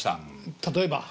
例えば？